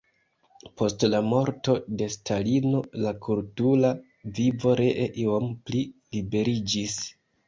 Post la morto de Stalino la kultura vivo ree iom pli liberiĝis.